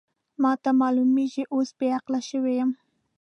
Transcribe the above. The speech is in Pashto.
ما ته معلومېږي اوس بې عقله شوې یم.